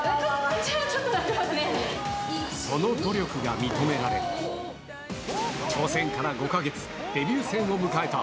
その努力が認められ、挑戦から５か月、デビュー戦を迎えた。